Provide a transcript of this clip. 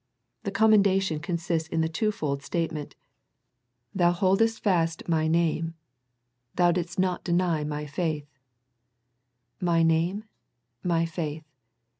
The commendation consists in the twofold statement. " Thou boldest fast My name," The Pergamum Letter 85 " Thou didst not deny My faith." " My name, My faith."